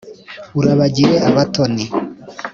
urabagire abatoni